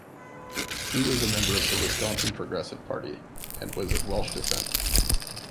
He was a member of the Wisconsin Progressive Party, and was of Welsh descent.